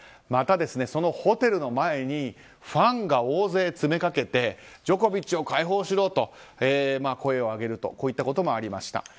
また、そのホテルの前にファンが大勢詰めかけてジョコビッチを解放しろと声を上げるといったこともありました。